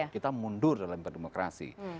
kita mundur dalam berdemokrasi